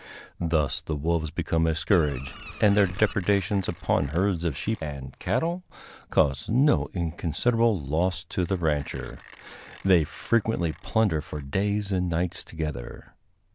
Thus the wolves become a scourge, and their depredations upon herds of sheep and cattle cause no inconsiderable loss to the rancher. They frequently plunder for days and nights together.